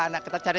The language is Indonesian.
nah kita cari cari